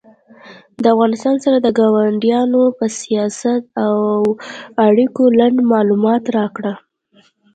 د افغانستان سره د کاونډیانو په سیاست او اړیکو لنډ معلومات راکړه